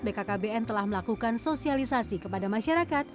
bkkbn telah melakukan sosialisasi kepada masyarakat